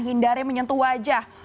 hindari menyentuh wajah